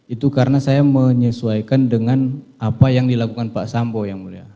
itu karena saya menyesuaikan dengan apa yang dilakukan pak sambo yang mulia